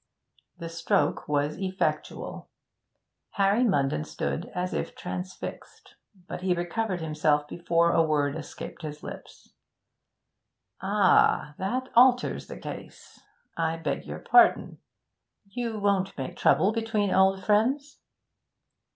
The stroke was effectual. Harvey Munden stood as if transfixed, but he recovered himself before a word escaped his lips. 'Ah, that alters the case. I beg your pardon. You won't make trouble between old friends?'